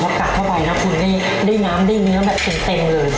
แล้วก็จะกัดเข้าไปนะครับได้น้ำได้เนื้อแบบเย็บเต็มเลย